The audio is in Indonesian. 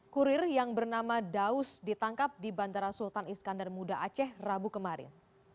kurir yang bernama daus ditangkap di bandara sultan iskandar muda aceh rabu kemarin